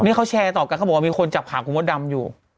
นี่เขาแชร์ต่อกันเขาบอกว่ามีคนจับขาคุณมดดำอยู่